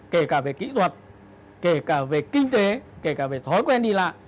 kể cả về kỹ thuật kể cả về kinh tế kể cả về thói quen đi lại